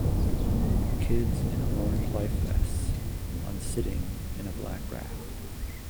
kids in orange life vests on sitting in a black raft